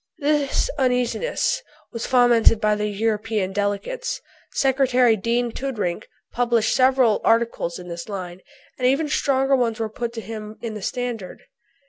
This uneasiness was fomented by the European delegates. Secretary Dean Toodrink published several articles in this line, and even stronger ones were put by him in the Standard.